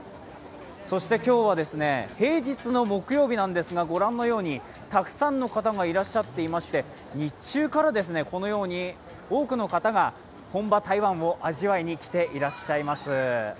そして今日は、平日の木曜日ですが御覧のようにたくさんの方がいらっしゃっていまして、日中からこのように多くの方が本場・台湾を味わいに来ていらっしゃいます。